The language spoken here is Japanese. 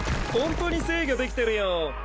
ほんとに制御できてるよ。